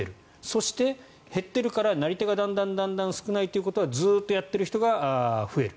そして、減っているからなり手がだんだん少ないということはずっとやっている人が増える。